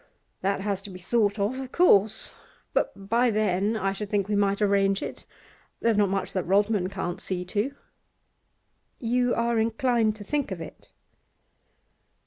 'That has to be thought of, of course; but by then I should think we might arrange it. There's not much that Rodman can't see to.' 'You are inclined to think of it?